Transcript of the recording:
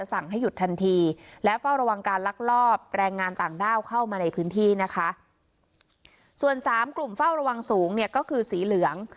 ส่วน๓กลุ่มฝ้าระวังสูงก็คือสีเหลือง